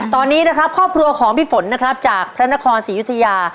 ตอนนี้นะครับครอบครัวของพี่ฝนนะครับจากพระนครศรียุธยา